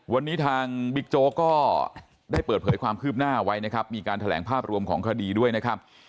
วันนี้ทางบิ๊กโจ๊กก็ได้เปิดเผยความคืบหน้าไว้นะครับมีการแถลงภาพรวมของคดีด้วยนะครับ